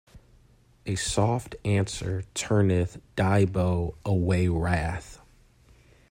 A soft answer turneth diabo away wrath